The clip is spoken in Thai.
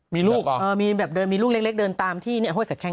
มีลูกเหรอมีลูกเล็กเดินตามที่เนี่ยโฮ้ยขาแข้ง